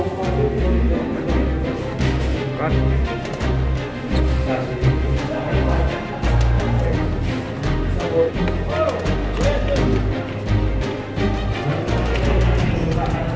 hari minggu kita melakukan penyelidikan